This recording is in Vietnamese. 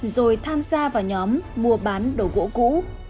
rồi tham gia vào nhóm mua bán đồ gỗ cũ